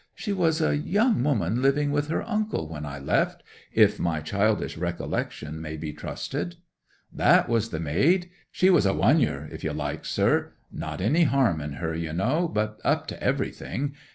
She was a young woman living with her uncle when I left, if my childish recollection may be trusted.' 'That was the maid. She was a oneyer, if you like, sir. Not any harm in her, you know, but up to everything.